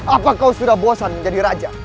apa kau sudah bosan menjadi raja